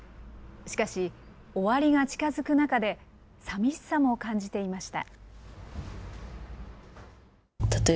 しかし、終わりが近づく中で、さみしさも感じていました。